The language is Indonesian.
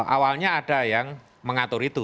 awalnya ada yang mengatur itu